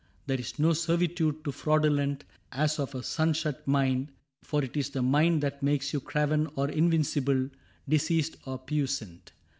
There is no servitude so fraudulent As of a sun shut mind ; for 't is the mind That makes you craven or invincible, Diseased or puissant.